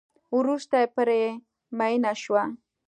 وروسته پرې میېنه شوه.